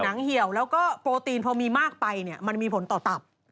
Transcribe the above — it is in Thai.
เหี่ยวแล้วก็โปรตีนพอมีมากไปเนี่ยมันมีผลต่อตับ